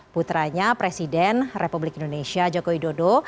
putranya presiden republik indonesia joko widodo